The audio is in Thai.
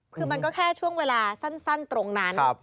คือมันก็แค่ช่วงเวลาสั้นตรงนั้น